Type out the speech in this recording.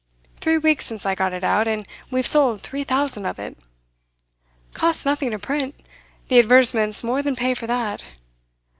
Three weeks since I got it out, and we've sold three thousand of it. Costs nothing to print; the advertisements more than pay for that.